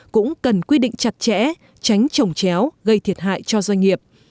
cũng cần quy định chặt chẽ tránh trồng chéo gây thiệt hại cho doanh nghiệp